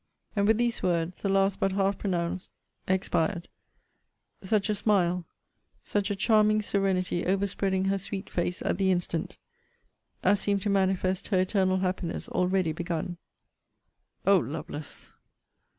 And with these words, the last but half pronounced, expired: such a smile, such a charming serenity overspreading her sweet face at the instant, as seemed to manifest her eternal happiness already begun. O Lovelace!